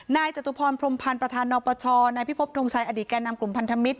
จตุพรพรมพันธ์ประธานนปชนายพิพบทงชัยอดีตแก่นำกลุ่มพันธมิตร